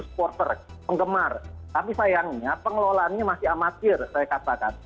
supporter penggemar tapi sayangnya pengelolaannya masih amatir saya katakan